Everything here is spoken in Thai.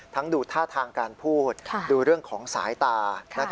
ดูท่าทางการพูดดูเรื่องของสายตา